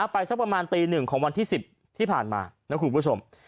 สักประมาณตีหนึ่งของวันที่๑๐ที่ผ่านมานะคุณผู้ชม